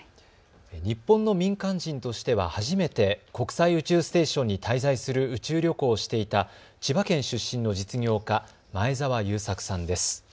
日本の民間人としては初めて国際宇宙ステーションに滞在する宇宙旅行をしていた千葉県出身の実業家、前澤友作さんです。